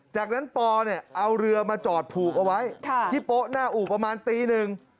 จากนั้นปอเนี่ยเอาเรือมาจอดผูกเอาไว้ที่โป๊ะหน้าอู่ประมาณตีหนึ่ง